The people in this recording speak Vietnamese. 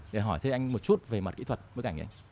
để hỏi thêm anh một chút về mặt kỹ thuật bức ảnh